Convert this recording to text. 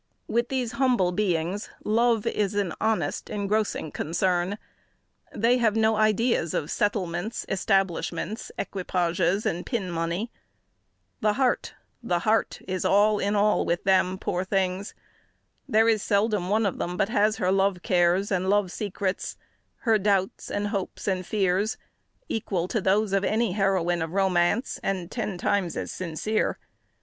With these humble beings love is an honest, engrossing concern. They have no ideas of settlements, establishments, equipages, and pin money. The heart the heart is all in all with them, poor things! There is seldom one of them but has her love cares, and love secrets; her doubts, and hopes, and fears, equal to those of any heroine of romance, and ten times as sincere.